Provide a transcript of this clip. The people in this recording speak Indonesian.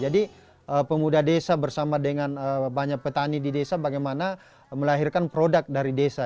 jadi pemuda desa bersama dengan banyak petani di desa bagaimana melahirkan produk dari desa